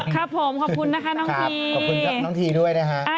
ครับผมขอบคุณนะคะน้องทีขอบคุณน้องทีด้วยนะฮะ